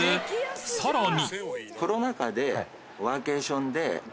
さらに！